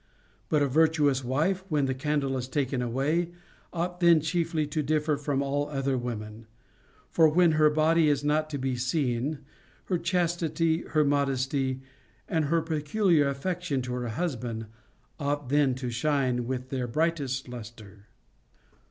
But a virtuous wife, w7hen the candle is taken away, ought then chiefly to differ from all other women. For when her body is not to be seen, her chas tity, her modesty, and her peculiar affection to her hus band ought then to shine with their brightest lustre.